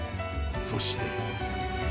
そして。